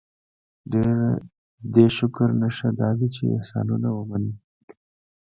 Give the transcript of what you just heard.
دې شکر نښه دا ده چې احسانونه ومني.